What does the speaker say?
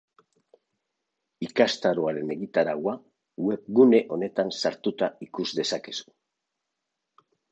Ikastaroaren egitaraua webgune honetan sartuta ikus dezakezu.